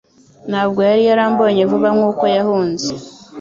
Ntabwo yari yarambonye vuba nkuko yahunze.